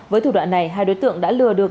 với thủ đoạn này hai đối tượng đã lừa được